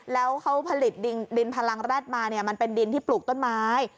แล้วเขาผลิตดินพลังแร็ดมาเนี่ยมันเป็นดินที่ปลูกต้นไม้